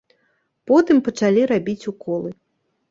Потым пачалі рабіць уколы.